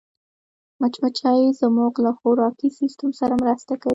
مچمچۍ زموږ له خوراکي سیسټم سره مرسته کوي